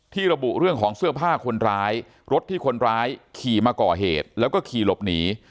ระบุเรื่องของเสื้อผ้าคนร้ายรถที่คนร้ายขี่มาก่อเหตุแล้วก็ขี่หลบหนี